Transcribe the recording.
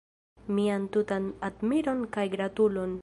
Mian tutan admiron kaj gratulon!